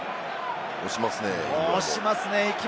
押しますね。